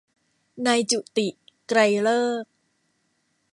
นายจุติ ไกรฤกษ์